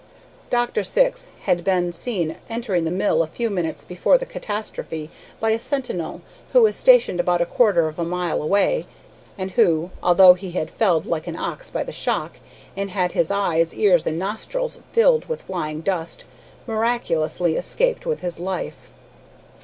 Dr. Syx had been seen entering the mill a few minutes before the catastrophe by a sentinel who was stationed about a quarter of a mile away, and who, although he was felled like an ox by the shock, and had his eyes, ears, and nostrils filled with flying dust, miraculously escaped with his life.